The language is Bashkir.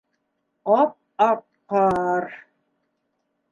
Ап-аҡ ҡар...